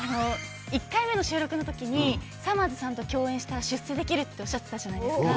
１回目の収録のときにさまぁずさんと共演したら出世できるっておっしゃってたじゃないですか。